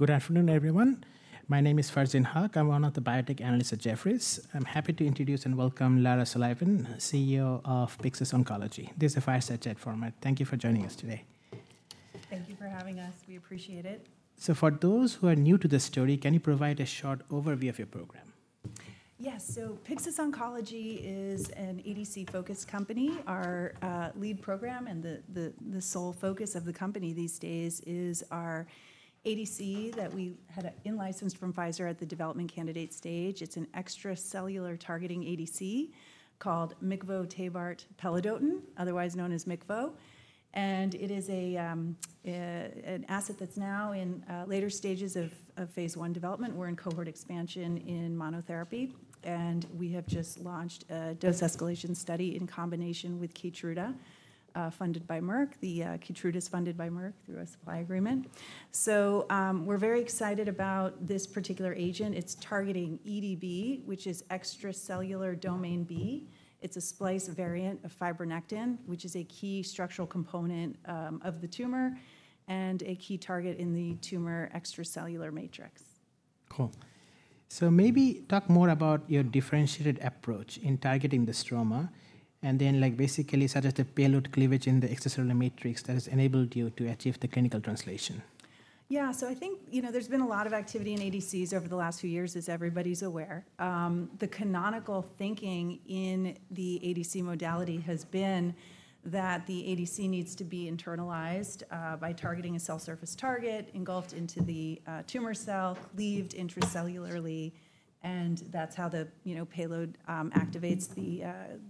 Good afternoon, everyone. My name is Farzin Haque. I'm one of the biotech analysts at Jefferies. I'm happy to introduce and welcome Lara Sullivan, CEO of Pyxis Oncology. This is a fireside chat format. Thank you for joining us today. Thank you for having us. We appreciate it. For those who are new to the story, can you provide a short overview of your program? Yes. Pyxis Oncology is an ADC-focused company. Our lead program and the sole focus of the company these days is our ADC that we had in-licensed from Pfizer at the development candidate stage. It is an extracellular targeting ADC called micvotabart pelidotin, otherwise known as MICVO. It is an asset that is now in later stages of phase I development. We are in cohort expansion in monotherapy. We have just launched a dose escalation study in combination with KEYTRUDA, funded by Merck. The KEYTRUDA is funded by Merck through a supply agreement. We are very excited about this particular agent. It is targeting EDB, which is extracellular domain B. It is a splice variant of fibronectin, which is a key structural component of the tumor and a key target in the tumor extracellular matrix. Cool. Maybe talk more about your differentiated approach in targeting the stroma, and then basically suggest a payload cleavage in the extracellular matrix that has enabled you to achieve the clinical translation. Yeah. I think there's been a lot of activity in ADCs over the last few years, as everybody's aware. The canonical thinking in the ADC modality has been that the ADC needs to be internalized by targeting a cell surface target, engulfed into the tumor cell, cleaved intracellularly. That's how the payload activates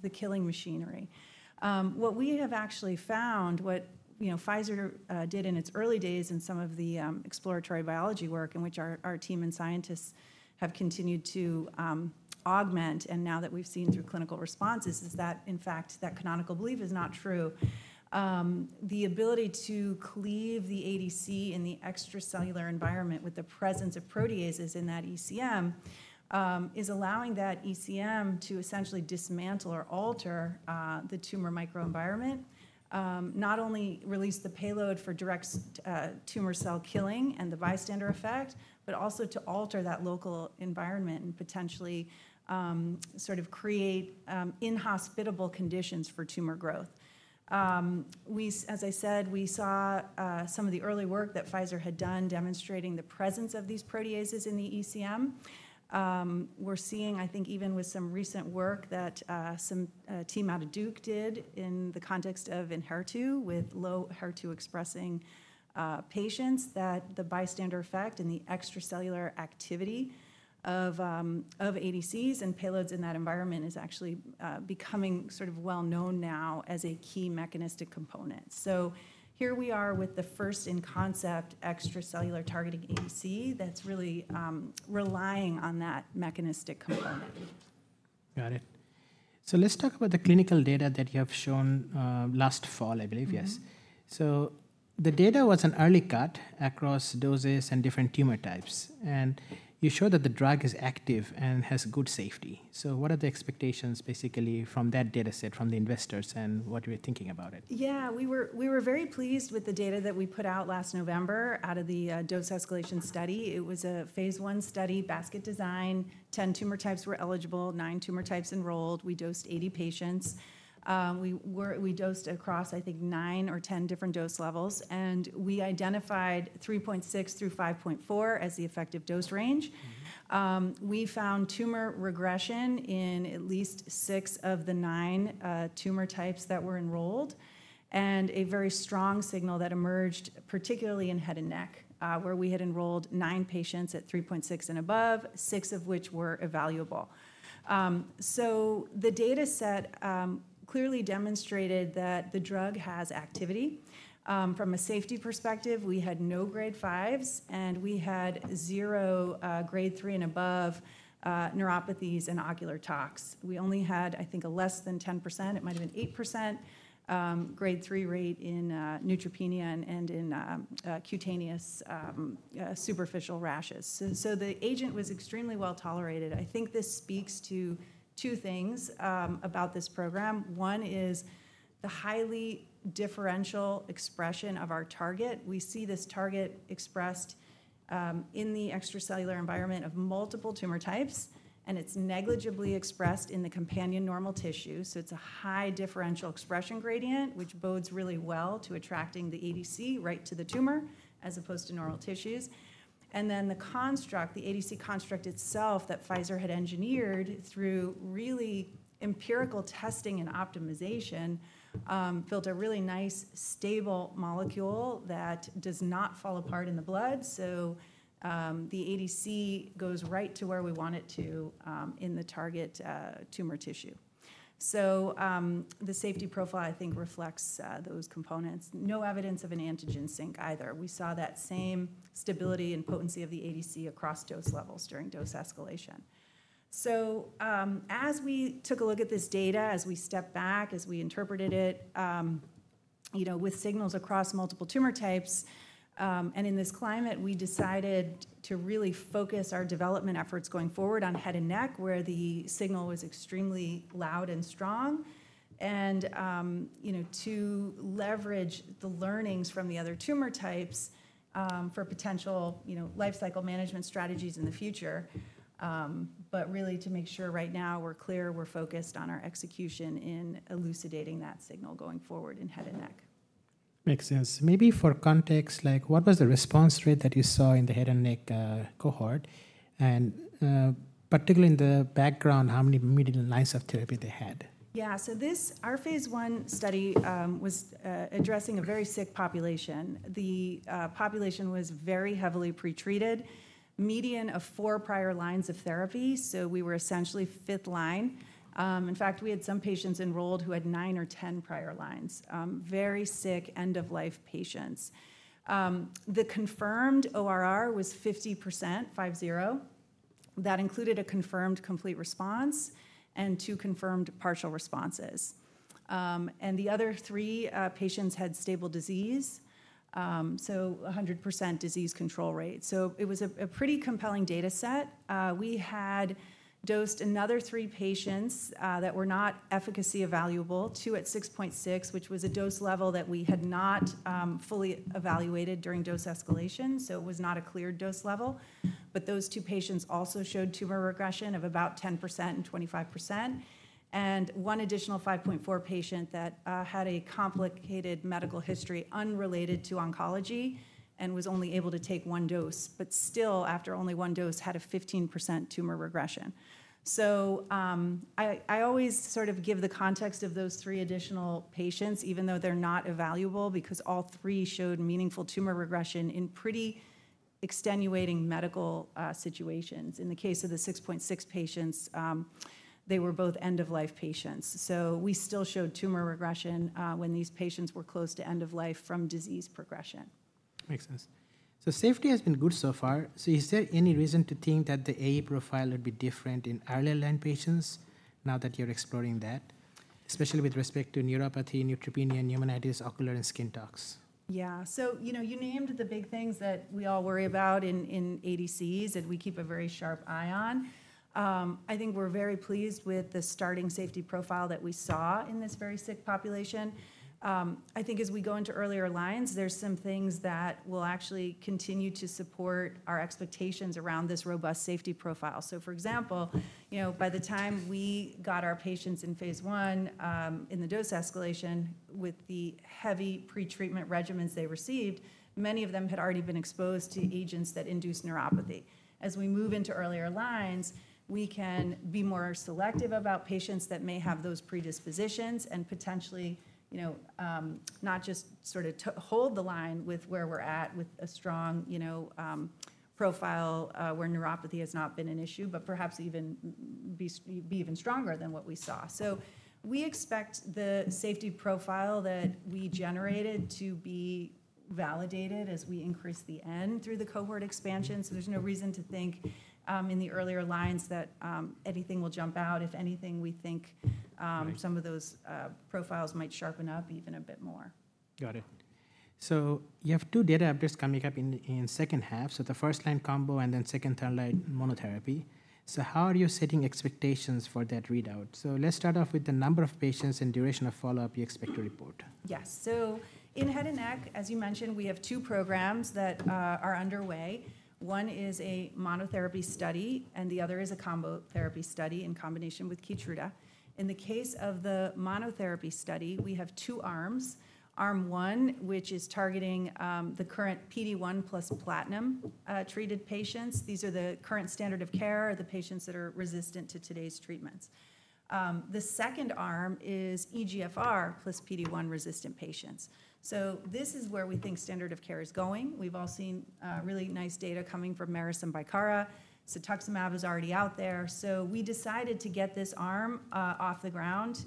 the killing machinery. What we have actually found, what Pfizer did in its early days in some of the exploratory biology work, in which our team and scientists have continued to augment, and now that we've seen through clinical responses, is that, in fact, that canonical belief is not true. The ability to cleave the ADC in the extracellular environment with the presence of proteases in that ECM is allowing that ECM to essentially dismantle or alter the tumor microenvironment, not only release the payload for direct tumor cell killing and the bystander effect, but also to alter that local environment and potentially sort of create inhospitable conditions for tumor growth. As I said, we saw some of the early work that Pfizer had done demonstrating the presence of these proteases in the ECM. We're seeing, I think, even with some recent work that some team out of Duke did in the context of in HER2 with low HER2 expressing patients, that the bystander effect and the extracellular activity of ADCs and payloads in that environment is actually becoming sort of well known now as a key mechanistic component. Here we are with the first in concept extracellular targeting ADC that's really relying on that mechanistic component. Got it. Let's talk about the clinical data that you have shown last fall, I believe. Yes. The data was an early cut across doses and different tumor types. You show that the drug is active and has good safety. What are the expectations basically from that data set from the investors and what you're thinking about it? Yeah. We were very pleased with the data that we put out last November out of the dose escalation study. It was a phase I study, basket design. Ten tumor types were eligible, nine tumor types enrolled. We dosed 80 patients. We dosed across, I think, nine or ten different dose levels. And we identified 3.6 mg-5.4 mg as the effective dose range. We found tumor regression in at least six of the nine tumor types that were enrolled, and a very strong signal that emerged, particularly in head and neck, where we had enrolled nine patients at 3.6mg and above, six of which were evaluable. The data set clearly demonstrated that the drug has activity. From a safety perspective, we had no grade 5s, and we had zero grade 3 and above neuropathies and ocular tox. We only had, I think, a less than 10%. It might have been 8% grade 3 rate in neutropenia and in cutaneous superficial rashes. The agent was extremely well tolerated. I think this speaks to two things about this program. One is the highly differential expression of our target. We see this target expressed in the extracellular environment of multiple tumor types, and it is negligibly expressed in the companion normal tissue. It is a high differential expression gradient, which bodes really well to attracting the ADC right to the tumor as opposed to normal tissues. The construct, the ADC construct itself that Pfizer had engineered through really empirical testing and optimization, built a really nice, stable molecule that does not fall apart in the blood. The ADC goes right to where we want it to in the target tumor tissue. The safety profile, I think, reflects those components. No evidence of an antigen sink either. We saw that same stability and potency of the ADC across dose levels during dose escalation. As we took a look at this data, as we stepped back, as we interpreted it with signals across multiple tumor types, in this climate, we decided to really focus our development efforts going forward on head and neck, where the signal was extremely loud and strong, and to leverage the learnings from the other tumor types for potential lifecycle management strategies in the future. Really, to make sure right now we're clear, we're focused on our execution in elucidating that signal going forward in head and neck. Makes sense. Maybe for context, what was the response rate that you saw in the head and neck cohort, and particularly in the background, how many median lines of therapy they had? Yeah. Our phase I study was addressing a very sick population. The population was very heavily pretreated, median of four prior lines of therapy. We were essentially fifth line. In fact, we had some patients enrolled who had 9 or 10 prior lines, very sick end-of-life patients. The confirmed ORR was 50%, 50. That included a confirmed complete response and two confirmed partial responses. The other three patients had stable disease, so 100% disease control rate. It was a pretty compelling data set. We had dosed another three patients that were not efficacy evaluable, two at 6.6, which was a dose level that we had not fully evaluated during dose escalation. It was not a clear dose level. Those two patients also showed tumor regression of about 10% and 25%. One additional 5.4 mg patient had a complicated medical history unrelated to oncology and was only able to take one dose, but still, after only one dose, had a 15% tumor regression. I always sort of give the context of those three additional patients, even though they're not evaluable, because all three showed meaningful tumor regression in pretty extenuating medical situations. In the case of the 6.6 mg patients, they were both end-of-life patients. We still showed tumor regression when these patients were close to end of life from disease progression. Makes sense. Safety has been good so far. Is there any reason to think that the AE profile would be different in early line patients now that you're exploring that, especially with respect to neuropathy, neutropenia, pneumonitis, ocular, and skin tox? Yeah. You named the big things that we all worry about in ADCs that we keep a very sharp eye on. I think we're very pleased with the starting safety profile that we saw in this very sick population. I think as we go into earlier lines, there's some things that will actually continue to support our expectations around this robust safety profile. For example, by the time we got our patients in phase I in the dose escalation with the heavy pretreatment regimens they received, many of them had already been exposed to agents that induce neuropathy. As we move into earlier lines, we can be more selective about patients that may have those predispositions and potentially not just sort of hold the line with where we're at with a strong profile where neuropathy has not been an issue, but perhaps even be even stronger than what we saw. We expect the safety profile that we generated to be validated as we increase the n through the cohort expansion. There is no reason to think in the earlier lines that anything will jump out. If anything, we think some of those profiles might sharpen up even a bit more. Got it. You have two data updates coming up in the second half. The first line combo and then second, third line monotherapy. How are you setting expectations for that readout? Let's start off with the number of patients and duration of follow-up you expect to report. Yes. In head and neck, as you mentioned, we have two programs that are underway. One is a monotherapy study, and the other is a combo therapy study in combination with KEYTRUDA. In the case of the monotherapy study, we have two arms. Arm one, which is targeting the current PD-1 plus platinum treated patients. These are the current standard of care or the patients that are resistant to today's treatments. The second arm is EGFR plus PD-1 resistant patients. This is where we think standard of care is going. We have all seen really nice data coming from Merus and Bicara. Cetuximab is already out there. We decided to get this arm off the ground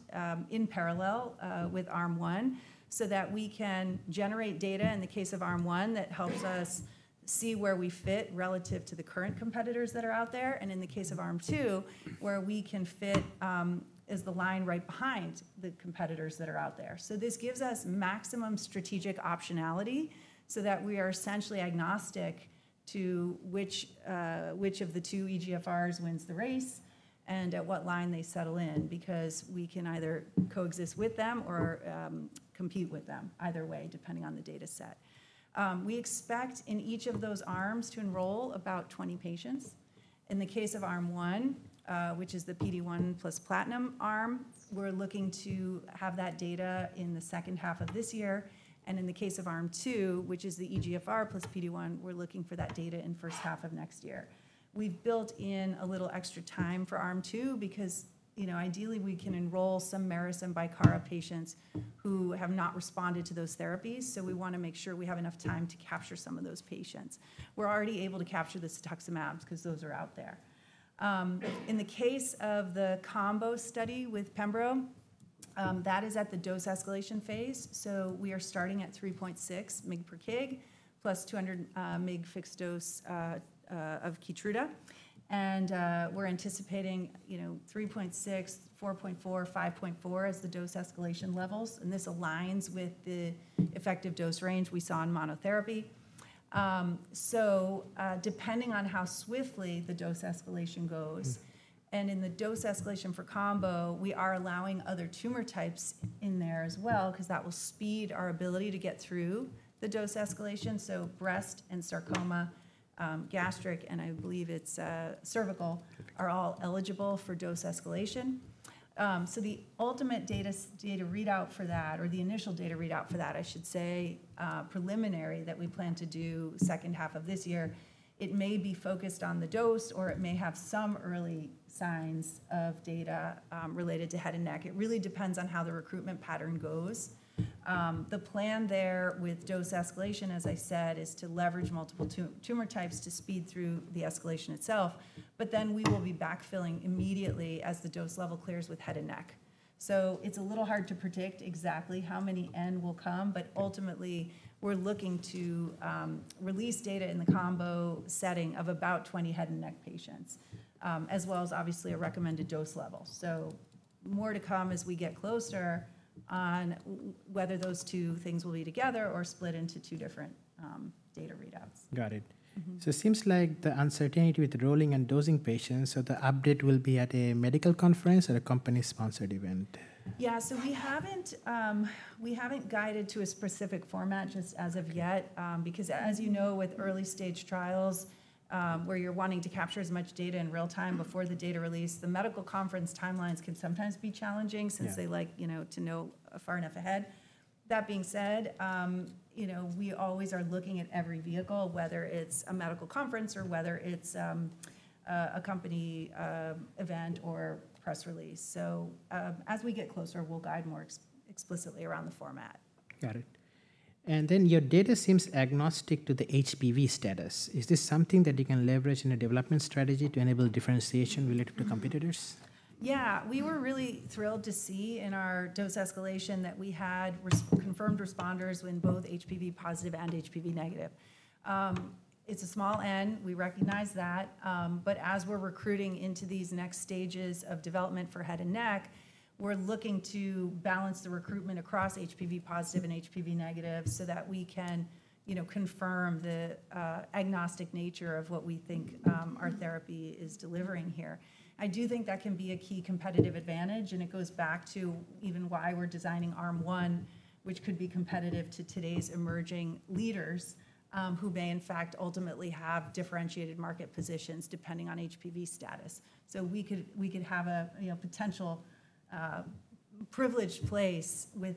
in parallel with arm one so that we can generate data in the case of arm one that helps us see where we fit relative to the current competitors that are out there. In the case of arm two, where we can fit as the line right behind the competitors that are out there, this gives us maximum strategic optionality so that we are essentially agnostic to which of the two EGFRs wins the race and at what line they settle in, because we can either coexist with them or compete with them either way, depending on the data set. We expect in each of those arms to enroll about 20 patients. In the case of arm one, which is the PD-1 plus platinum arm, we're looking to have that data in the second half of this year. In the case of arm two, which is the EGFR plus PD-1, we're looking for that data in the first half of next year. We've built in a little extra time for arm two because ideally we can enroll some Merus and Bicara patients who have not responded to those therapies. We want to make sure we have enough time to capture some of those patients. We're already able to capture the cetuximabs because those are out there. In the case of the combo study with pembro, that is at the dose escalation phase. We are starting at 3.6 mg per kg plus 200 mg fixed dose of KEYTRUDA. We're anticipating 3.6 mg, 4.4 mg, 5.4 mg as the dose escalation levels. This aligns with the effective dose range we saw in monotherapy. Depending on how swiftly the dose escalation goes, and in the dose escalation for combo, we are allowing other tumor types in there as well because that will speed our ability to get through the dose escalation. Breast and sarcoma, gastric, and I believe it's cervical are all eligible for dose escalation. The ultimate data readout for that, or the initial data readout for that, I should say preliminary, that we plan to do second half of this year, it may be focused on the dose, or it may have some early signs of data related to head and neck. It really depends on how the recruitment pattern goes. The plan there with dose escalation, as I said, is to leverage multiple tumor types to speed through the escalation itself. We will be backfilling immediately as the dose level clears with head and neck. It's a little hard to predict exactly how many end will come. Ultimately, we're looking to release data in the combo setting of about 20 head and neck patients, as well as obviously a recommended dose level. More to come as we get closer on whether those two things will be together or split into two different data readouts. Got it. It seems like the uncertainty with enrolling and dosing patients, so the update will be at a medical conference or a company-sponsored event. Yeah. We have not guided to a specific format just as of yet because, as you know, with early stage trials where you are wanting to capture as much data in real time before the data release, the medical conference timelines can sometimes be challenging since they like to know far enough ahead. That being said, we always are looking at every vehicle, whether it is a medical conference or whether it is a company event or press release. As we get closer, we will guide more explicitly around the format. Got it. Your data seems agnostic to the HPV status. Is this something that you can leverage in a development strategy to enable differentiation related to competitors? Yeah. We were really thrilled to see in our dose escalation that we had confirmed responders in both HPV positive and HPV negative. It's a small n. We recognize that. As we're recruiting into these next stages of development for head and neck, we're looking to balance the recruitment across HPV positive and HPV negative so that we can confirm the agnostic nature of what we think our therapy is delivering here. I do think that can be a key competitive advantage. It goes back to even why we're designing arm one, which could be competitive to today's emerging leaders who may, in fact, ultimately have differentiated market positions depending on HPV status. We could have a potential privileged place with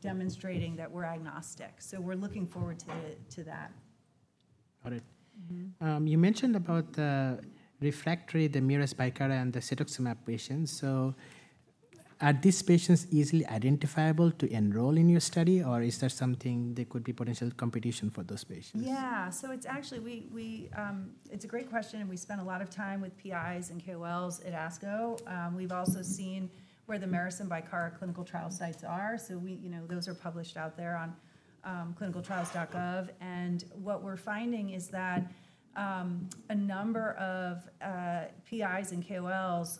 demonstrating that we're agnostic. We're looking forward to that. Got it. You mentioned about the refractory, the Merus and Bicara and the cetuximab patients. So are these patients easily identifiable to enroll in your study, or is there something that could be potential competition for those patients? Yeah. It's actually a great question. We spend a lot of time with PIs and KOLs at ASCO. We've also seen where the Merus and Bicara clinical trial sites are. Those are published out there on clinicaltrials.gov. What we're finding is that a number of PIs and KOLs,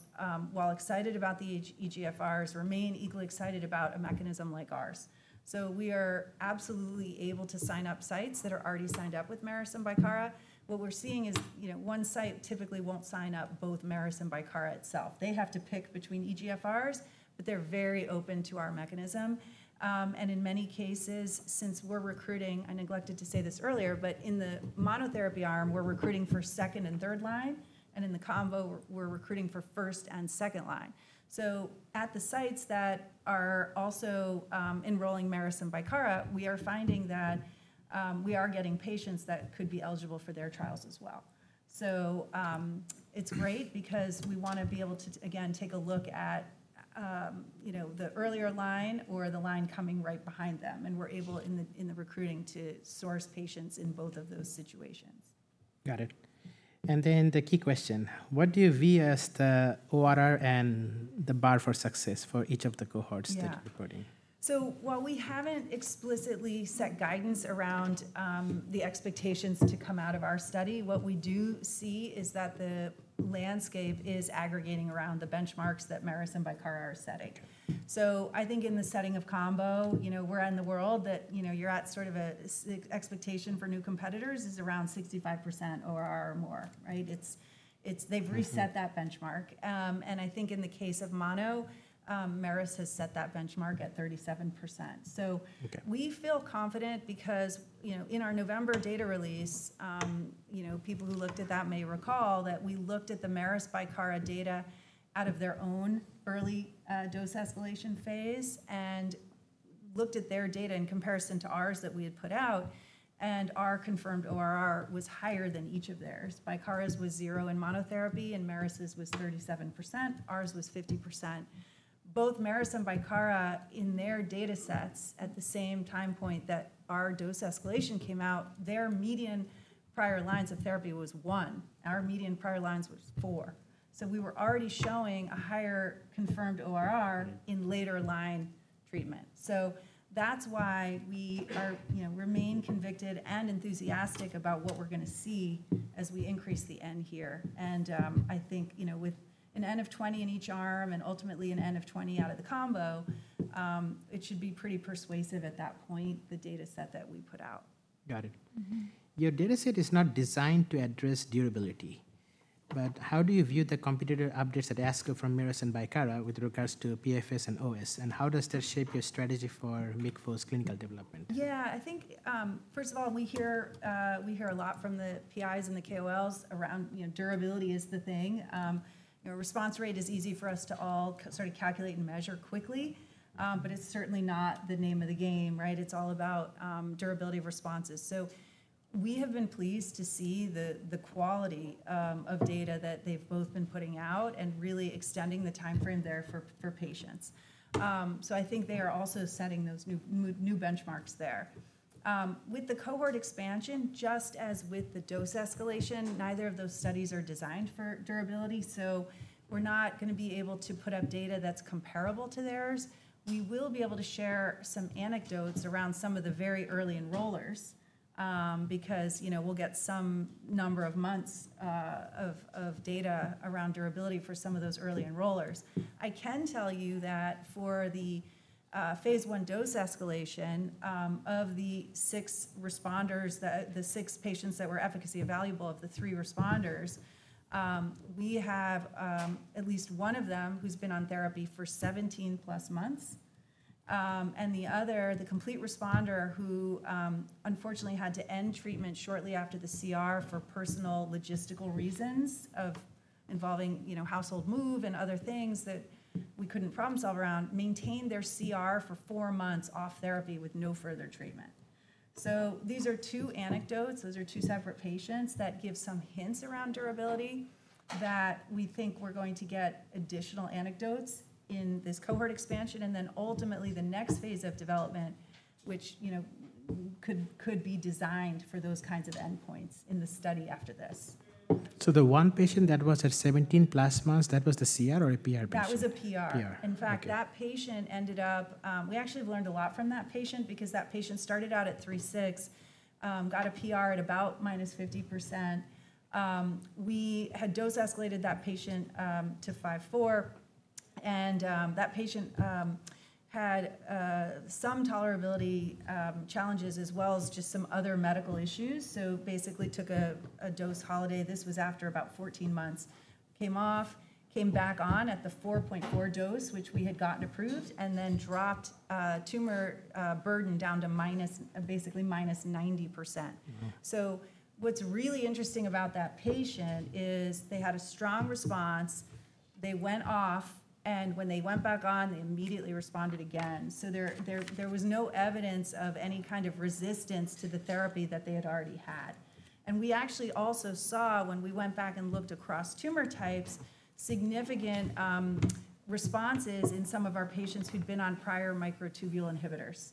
while excited about the EGFRs, remain equally excited about a mechanism like ours. We are absolutely able to sign up sites that are already signed up with Merus and Bicara. What we're seeing is one site typically won't sign up both Merus and Bicara itself. They have to pick between EGFRs, but they're very open to our mechanism. In many cases, since we're recruiting, I neglected to say this earlier, but in the monotherapy arm, we're recruiting for second and third line. In the combo, we're recruiting for first and second line. At the sites that are also enrolling Merus and Bicara, we are finding that we are getting patients that could be eligible for their trials as well. It is great because we want to be able to, again, take a look at the earlier line or the line coming right behind them. We are able in the recruiting to source patients in both of those situations. Got it. And then the key question, what do you view as the ORR and the bar for success for each of the cohorts that you're reporting? While we haven't explicitly set guidance around the expectations to come out of our study, what we do see is that the landscape is aggregating around the benchmarks that Merus and Bicara are setting. I think in the setting of combo, we're in the world that you're at sort of an expectation for new competitors is around 65% ORR or more. They've reset that benchmark. I think in the case of mono, Merus has set that benchmark at 37%. We feel confident because in our November data release, people who looked at that may recall that we looked at the Merus Bicara data out of their own early dose escalation phase and looked at their data in comparison to ours that we had put out. Our confirmed ORR was higher than each of theirs. Bicara's was 0 in monotherapy, and Merus' was 37%. Ours was 50%. Both Merus and Bicara in their data sets at the same time point that our dose escalation came out, their median prior lines of therapy was one. Our median prior lines was four. So we were already showing a higher confirmed ORR in later line treatment. That is why we remain convicted and enthusiastic about what we're going to see as we increase the end here. I think with an end of 20 in each arm and ultimately an end of 20 out of the combo, it should be pretty persuasive at that point, the data set that we put out. Got it. Your data set is not designed to address durability. How do you view the competitor updates at ASCO from Merus and Bicara with regards to PFS and OS? How does that shape your strategy for MICVO's clinical development? Yeah. I think, first of all, we hear a lot from the PIs and the KOLs around durability is the thing. Response rate is easy for us to all sort of calculate and measure quickly. It is certainly not the name of the game. It is all about durability responses. We have been pleased to see the quality of data that they have both been putting out and really extending the time frame there for patients. I think they are also setting those new benchmarks there. With the cohort expansion, just as with the dose escalation, neither of those studies are designed for durability. We are not going to be able to put up data that is comparable to theirs. We will be able to share some anecdotes around some of the very early enrollers because we'll get some number of months of data around durability for some of those early enrollers. I can tell you that for the phase I dose escalation of the six responders, the six patients that were efficacy evaluable of the three responders, we have at least one of them who's been on therapy for 17 plus months. The other, the complete responder who unfortunately had to end treatment shortly after the CR for personal logistical reasons involving household move and other things that we couldn't problem solve around, maintained their CR for four months off therapy with no further treatment. These are two anecdotes. Those are two separate patients that give some hints around durability that we think we're going to get additional anecdotes in this cohort expansion. Ultimately, the next phase of development, which could be designed for those kinds of endpoints in the study after this. The one patient that was at 17 plus months, that was the CR or a PR patient? That was a PR. In fact, that patient ended up, we actually learned a lot from that patient because that patient started out at 3.6 mg, got a PR at about -50%. We had dose escalated that patient to 5.4 mg. That patient had some tolerability challenges as well as just some other medical issues. Basically took a dose holiday. This was after about 14 months. Came off, came back on at the 4.4 mg dose, which we had gotten approved, and then dropped tumor burden down to basically -90%. What is really interesting about that patient is they had a strong response. They went off. When they went back on, they immediately responded again. There was no evidence of any kind of resistance to the therapy that they had already had. We actually also saw when we went back and looked across tumor types, significant responses in some of our patients who'd been on prior microtubule inhibitors.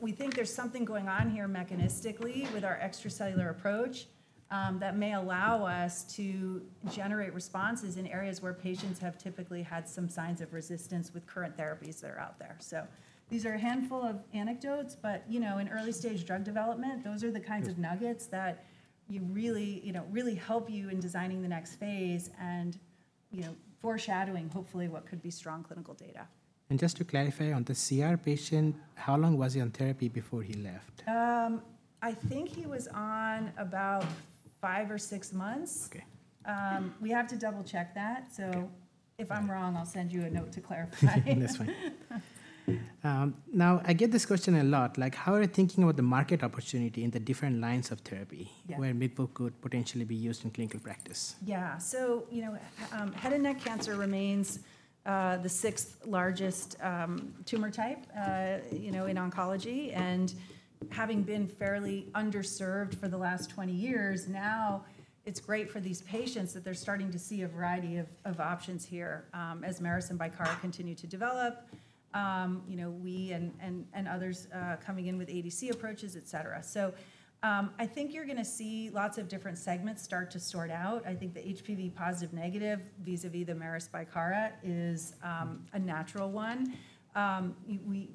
We think there's something going on here mechanistically with our extracellular approach that may allow us to generate responses in areas where patients have typically had some signs of resistance with current therapies that are out there. These are a handful of anecdotes. In early stage drug development, those are the kinds of nuggets that really help you in designing the next phase and foreshadowing, hopefully, what could be strong clinical data. Just to clarify on the CR patient, how long was he on therapy before he left? I think he was on about five or six months. We have to double-check that. If I'm wrong, I'll send you a note to clarify. In this way. Now, I get this question a lot. How are you thinking about the market opportunity in the different lines of therapy where MICVO could potentially be used in clinical practice? Yeah. Head and neck cancer remains the sixth largest tumor type in oncology. Having been fairly underserved for the last 20 years, now it's great for these patients that they're starting to see a variety of options here as Merus and Bicara continues to develop, we and others coming in with ADC approaches, et cetera. I think you're going to see lots of different segments start to sort out. I think the HPV positive negative vis-à-vis the Merus and Bicara is a natural one.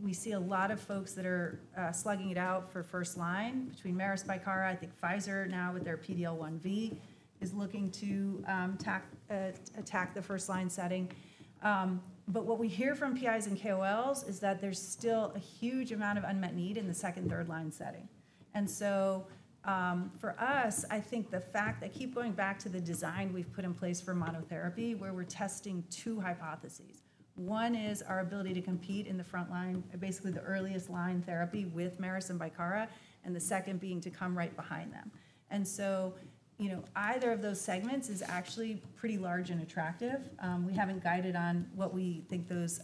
We see a lot of folks that are slugging it out for first line between Merus and Bicara. I think Pfizer now with their PD1LV is looking to attack the first line setting. What we hear from PIs and KOLs is that there's still a huge amount of unmet need in the second, third line setting. For us, I think the fact that we keep going back to the design we have put in place for monotherapy where we are testing two hypotheses. One is our ability to compete in the front line, basically the earliest line therapy with Merus and Bicara, and the second being to come right behind them. Either of those segments is actually pretty large and attractive. We have not guided on what we think those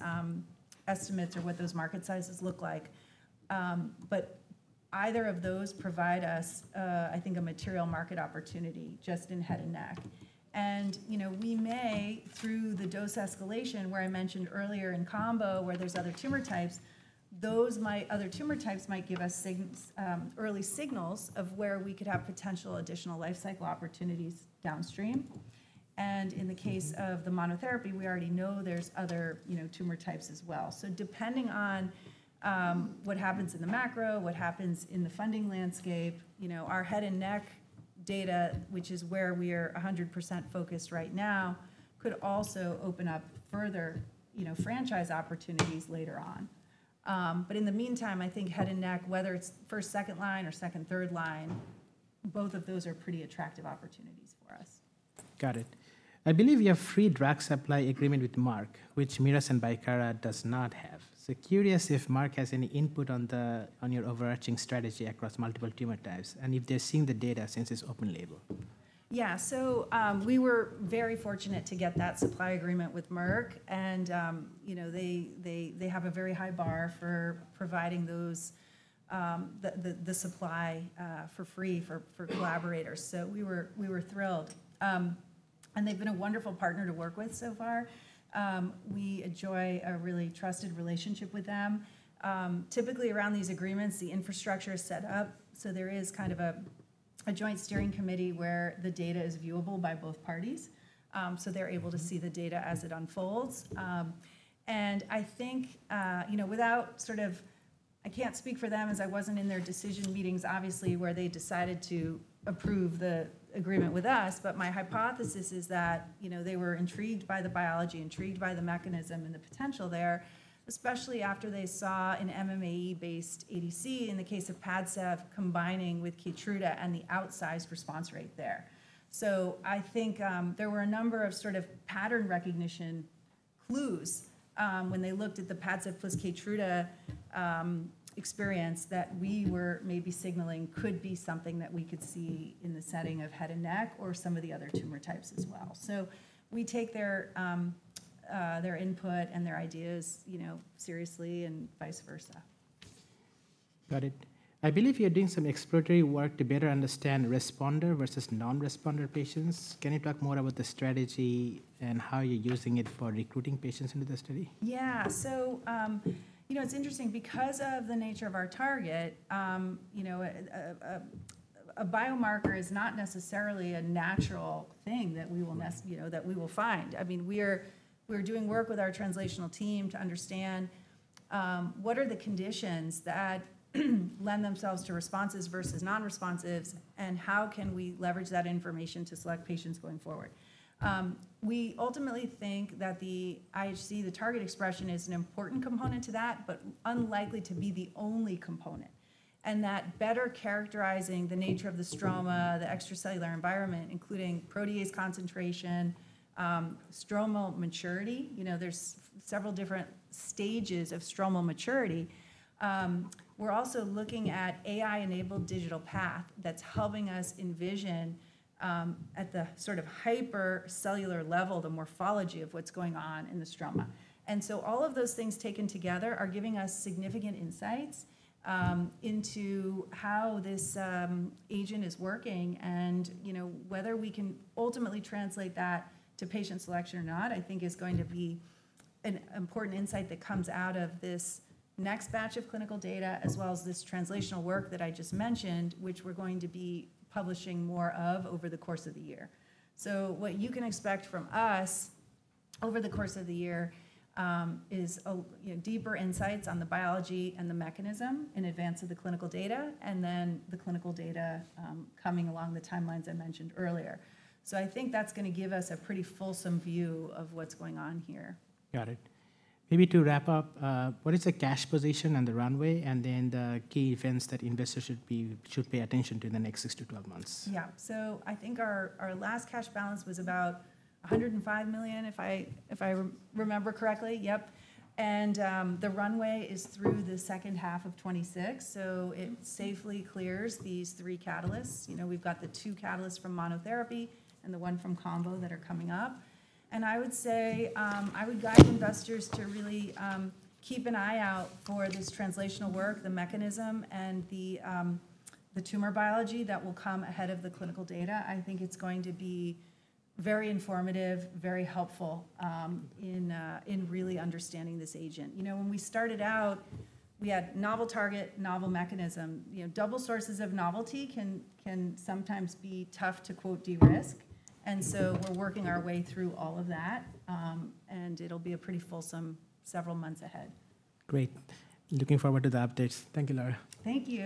estimates or what those market sizes look like. Either of those provide us, I think, a material market opportunity just in head and neck. We may, through the dose escalation where I mentioned earlier in combo where there are other tumor types, those other tumor types might give us early signals of where we could have potential additional life cycle opportunities downstream. In the case of the monotherapy, we already know there are other tumor types as well. Depending on what happens in the macro, what happens in the funding landscape, our head and neck data, which is where we are 100% focused right now, could also open up further franchise opportunities later on. In the meantime, I think head and neck, whether it is first, second line, or second, third line, both of those are pretty attractive opportunities for us. Got it. I believe you have free drug supply agreement with Merck, which Merus and Bicara does not have. Curious if Merck has any input on your overarching strategy across multiple tumor types and if they're seeing the data since it's open label. Yeah. We were very fortunate to get that supply agreement with Merck. They have a very high bar for providing the supply for free for collaborators. We were thrilled. They have been a wonderful partner to work with so far. We enjoy a really trusted relationship with them. Typically, around these agreements, the infrastructure is set up. There is kind of a joint steering committee where the data is viewable by both parties. They are able to see the data as it unfolds. I think without sort of—I cannot speak for them as I was not in their decision meetings, obviously, where they decided to approve the agreement with us. My hypothesis is that they were intrigued by the biology, intrigued by the mechanism and the potential there, especially after they saw an MMAE-based ADC in the case of PADCEV combining with KEYTRUDA and the outsized response rate there. I think there were a number of sort of pattern recognition clues when they looked at the PADCEV plus KEYTRUDA experience that we were maybe signaling could be something that we could see in the setting of head and neck or some of the other tumor types as well. We take their input and their ideas seriously and vice versa. Got it. I believe you're doing some exploratory work to better understand responder versus non-responder patients. Can you talk more about the strategy and how you're using it for recruiting patients into the study? Yeah. So it's interesting because of the nature of our target, a biomarker is not necessarily a natural thing that we will find. I mean, we're doing work with our translational team to understand what are the conditions that lend themselves to responses versus non-responsives, and how can we leverage that information to select patients going forward. We ultimately think that the IHC, the target expression, is an important component to that, but unlikely to be the only component. That better characterizing the nature of the stroma, the extracellular environment, including protease concentration, stromal maturity, there's several different stages of stromal maturity. We're also looking at AI-enabled digital path that's helping us envision at the sort of hypercellular level the morphology of what's going on in the stroma. All of those things taken together are giving us significant insights into how this agent is working. Whether we can ultimately translate that to patient selection or not, I think, is going to be an important insight that comes out of this next batch of clinical data as well as this translational work that I just mentioned, which we are going to be publishing more of over the course of the year. What you can expect from us over the course of the year is deeper insights on the biology and the mechanism in advance of the clinical data, and then the clinical data coming along the timelines I mentioned earlier. I think that is going to give us a pretty fulsome view of what is going on here. Got it. Maybe to wrap up, what is the cash position on the runway and then the key events that investors should pay attention to in the next 6 to 12 months? Yeah. I think our last cash balance was about $105 million, if I remember correctly. Yep. The runway is through the second half of 2026. It safely clears these three catalysts. We have the two catalysts from monotherapy and the one from combo that are coming up. I would guide investors to really keep an eye out for this translational work, the mechanism, and the tumor biology that will come ahead of the clinical data. I think it is going to be very informative, very helpful in really understanding this agent. When we started out, we had novel target, novel mechanism. Double sources of novelty can sometimes be tough to quote de-risk. We are working our way through all of that. It will be a pretty fulsome several months ahead. Great. Looking forward to the updates. Thank you, Lara. Thank you.